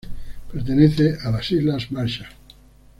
Pertenece a las Islas Marshall.